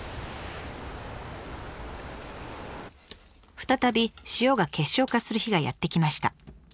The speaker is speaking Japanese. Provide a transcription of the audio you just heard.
再び塩が結晶化する日がやって来ました。